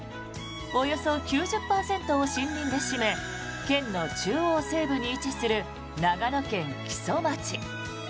およそ９０％を森林で占め県の中央西部に位置する長野県木曽町。